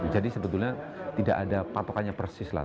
jadi sebetulnya tidak ada patokannya persis lah